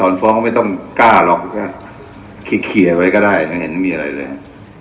ถอนฟ้องก็ไม่ต้องกล้าหรอกต้ีดเขียวไปก็ได้ว่าไม่เห็นอะไรเลย